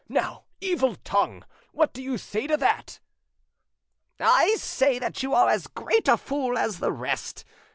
Now, evil tongue, what do you say to that?" "I say that you are as great a fool as the rest.